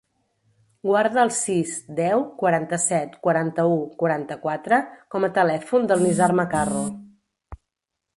Guarda el sis, deu, quaranta-set, quaranta-u, quaranta-quatre com a telèfon del Nizar Macarro.